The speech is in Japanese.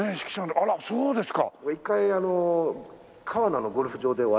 あっそうですか。